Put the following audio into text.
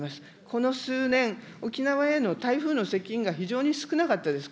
この数年、沖縄への台風の接近が非常に少なかったです。